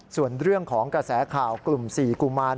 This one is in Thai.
ส่วนเรื่องของกระแสข่าวกลุ่ม๔กุมาร